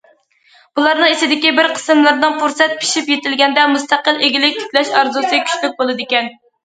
بۇلارنىڭ ئىچىدىكى بىر قىسىملىرىنىڭ پۇرسەت پىشىپ يېتىلگەندە، مۇستەقىل ئىگىلىك تىكلەش ئارزۇسى كۈچلۈك بولىدىكەن.